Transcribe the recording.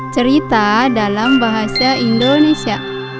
cerita dalam bahasa indonesia